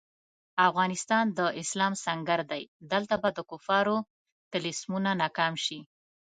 افغانستان د اسلام سنګر دی، دلته به د کفارو طلسمونه ناکام شي.